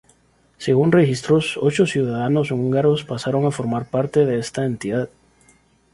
Según registros, ocho ciudadanos húngaros pasaron a formar parte de esta entidad.